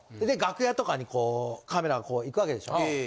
で楽屋とかにこうカメラが行くわけでしょ。